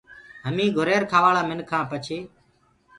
هميٚنٚ گُھرير کآواݪآ مِنک هآن پڇي